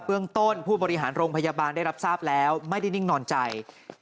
เรื่องต้นผู้บริหารโรงพยาบาลได้รับทราบแล้วไม่ได้นิ่งนอนใจ